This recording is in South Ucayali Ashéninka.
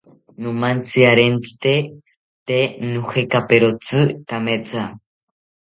Nomantziarentzite tee nojekaperotzi kametha